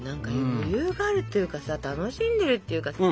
余裕があるっていうかさ楽しんでるっていうか。